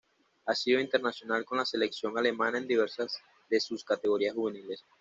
Ha sido internacional con la selección alemana en diversas de sus categorías juveniles.